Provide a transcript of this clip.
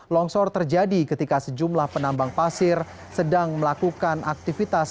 longsor terjadi ketika sejumlah penambang pasir sedang melakukan aktivitas